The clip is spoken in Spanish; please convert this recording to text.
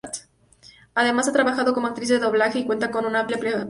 Además, ha trabajado como actriz de doblaje y cuenta con una amplia formación.